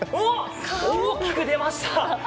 大きく出ました！